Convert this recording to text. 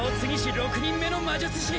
６人目の魔術師